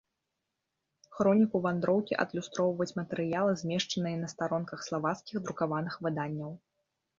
Хроніку вандроўкі адлюстроўваюць матэрыялы, змешчаныя на старонках славацкіх друкаваных выданняў.